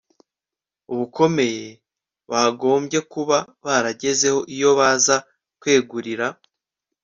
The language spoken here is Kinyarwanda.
bukomeye bagombye kuba baragezeho iyo baza kwegurira